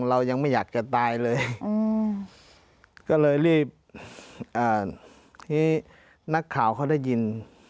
เรายังไม่อยากจะตายเลยก็เลยรีบทีนี้นักข่าวเขาได้ยิน